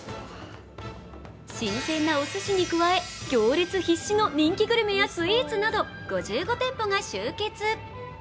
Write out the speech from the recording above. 新鮮なおすしに加え行列必至の人気グルメやスイーツなど５５店舗が集結。